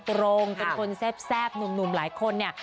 เป็นคนเสภหนุ่มหลายคนเนี้ย